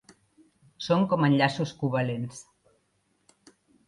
Són com enllaços covalents.